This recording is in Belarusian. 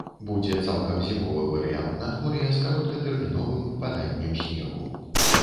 Будзе цалкам зімовы варыянт надвор'я, з кароткатэрміновым выпаданнем снегу.